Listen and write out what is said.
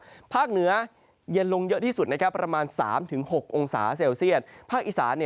ภาคนักศาสตร์เหนือจะเย็นลงเยอะที่สุดนะครับประมาณ๓๖องศาเซลเซียส